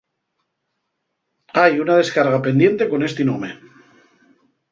Hai una descarga pendiente con esti nome.